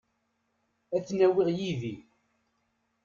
Ad ten-awiɣ yid-i.